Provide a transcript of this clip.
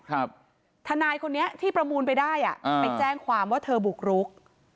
ทนายคนนี้ที่ประมูลไปได้อ่ะอ่าไปแจ้งความว่าเธอบุกรุก